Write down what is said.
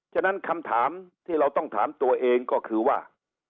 ฉะนั้นคำถามที่เราต้องถามตัวเองก็คือว่า